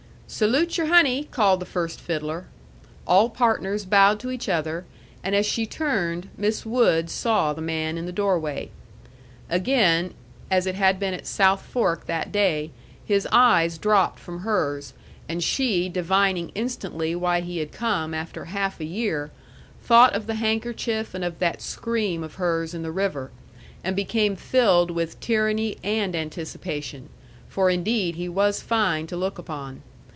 "Salute your honey!" called the first fiddler. All partners bowed to each other, and as she turned, Miss Wood saw the man in the doorway. Again, as it had been at South Fork that day, his eyes dropped from hers, and she divining instantly why he had come after half a year, thought of the handkerchief and of that scream of hers in the river, and became filled with tyranny and anticipation; for indeed he was fine to look upon.